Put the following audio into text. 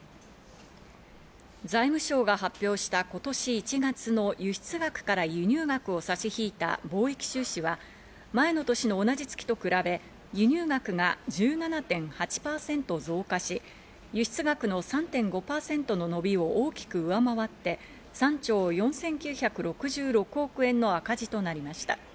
財務省が発表した今年１月の輸出額から輸入額を差し引いた貿易収支は、前の年の同じ月と比べ、輸入額が１７．８％増加し、輸出額の３．５％の伸びを大きく上回って、３兆４９６６億円の赤字となりました。